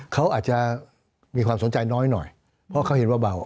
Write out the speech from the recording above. เขาอาจจะมีความสนใจน้อยหน่อยเพราะเขาเห็นว่าเบา